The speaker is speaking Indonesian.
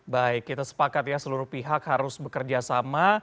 baik kita sepakat ya seluruh pihak harus bekerjasama